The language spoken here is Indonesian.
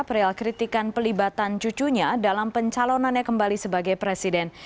perihal kritikan pelibatan cucunya dalam pencalonannya kembali sebagai presiden